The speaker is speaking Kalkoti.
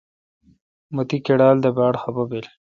مہ تی کیڈال دے باڑ خفہ بیل۔